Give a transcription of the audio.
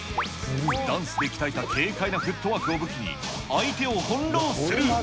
ダンスで鍛えた軽快なフットワークを武器に、相手を翻弄する。